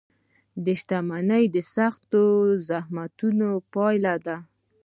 • شتمني د سختو زحمتونو پایله ده.